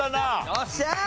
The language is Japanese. よっしゃ！